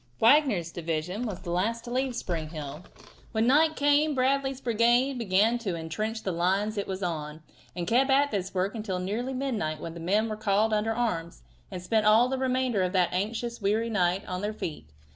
Wagner's division was the last to leave Spring Hill. When night came Bradley's brigade began to intrench the line it was on, and kept at this work until nearly midnight when the men were called under arms, and spent all the remainder of that anxious, weary night on their feet.